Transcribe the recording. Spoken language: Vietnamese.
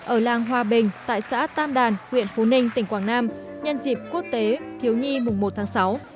ở làng hòa bình tại xã tam đàn huyện phú ninh tỉnh quảng nam nhân dịp quốc tế thiếu nhi mùng một tháng sáu